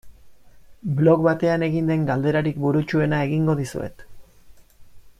Blog batean egin den galderarik burutsuena egingo dizuet.